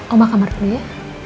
mama kamar dulu ya